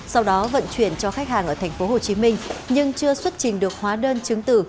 sau đó vận chuyển cho khách hàng ở tp hcm nhưng chưa xuất trình được hóa đơn chứng tử